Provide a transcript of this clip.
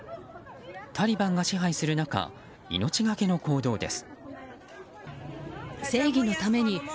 タリバンが支配する中命がけの行動です。